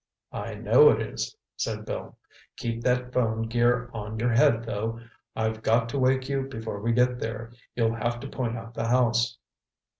"I know it is," said Bill. "Keep that phone gear on your head, though. I've got to wake you before we get there. You'll have to point out the house."